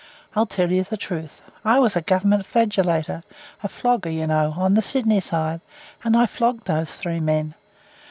I'll tell you the truth. I was a Government flagellator, a flogger, you know, on the Sydney side, and I flogged those three men.